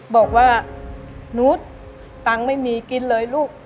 บอกว่านุษย์ตังค์ไม่มีกินเลยลูก